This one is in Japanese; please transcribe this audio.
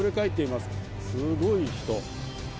すごい人。